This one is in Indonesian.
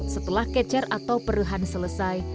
setelah kecer atau peruhan selesai